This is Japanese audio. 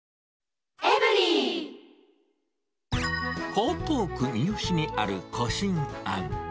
江東区三好にある小進庵。